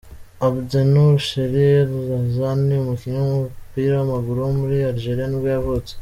Abdennour Chérif El-Ouazzani, umukinnyi w’umupira w’amaguru wo muri Algeria nibwo yavutse.